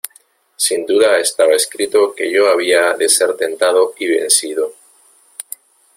sin duda estaba escrito que yo había de ser tentado y vencido.